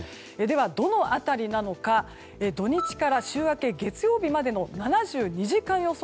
どの辺りなのか土日から週明け月曜日までの７２時間予想